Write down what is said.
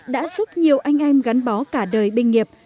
đã giúp nhiều anh em gắn bó cả đời binh nghiệp